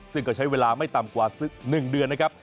ซึ่งก็ใช้เวลาไม่ต่ำกว่า๑เดือนนะครับ